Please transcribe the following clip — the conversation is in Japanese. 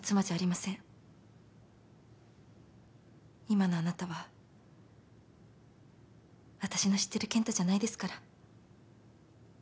今のあなたは私の知ってる健太じゃないですから。